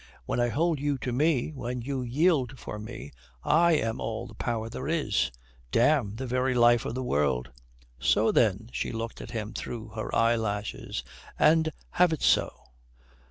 When I hold you to me, when you yield for me, I am all the power there is. Damme, the very life of the world." "So then," she looked at him through her eyelashes, "and have it so.